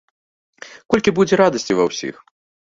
Колькі будзе радасці ва ўсіх!